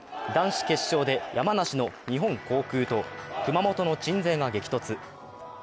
男子決勝で山梨の日本航空と熊本の鎮西が激突。